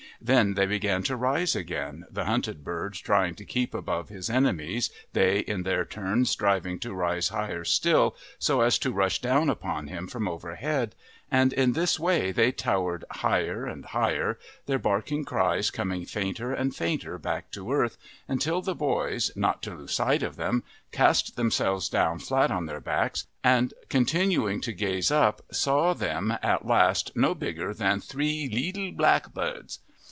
Then they began to rise again, the hunted bird trying to keep above his enemies, they in their turn striving to rise higher still so as to rush down upon him from overhead; and in this way they towered higher and higher, their barking cries coming fainter and fainter back to earth, until the boys, not to lose sight of them, cast themselves down flat on their backs, and, continuing to gaze up, saw them at last no bigger than three "leetle blackbirds."